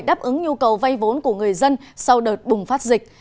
đáp ứng nhu cầu vay vốn của người dân sau đợt bùng phát dịch